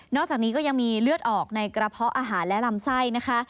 อกจากนี้ก็ยังมีเลือดออกในกระเพาะอาหารและลำไส้นะคะ